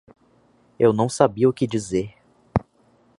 Eu não sabia o que dizer.